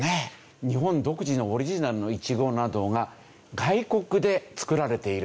日本独自のオリジナルのイチゴなどが外国で作られている。